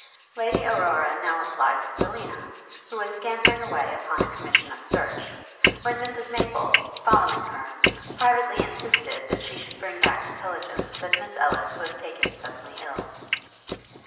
Lady Aurora now applied to Selina, who was scampering away upon a commission of search; when Mrs Maple, following her, privately insisted that she should bring back intelligence that Miss Ellis was taken suddenly ill.